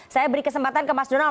saya beri kesempatan ke mas donald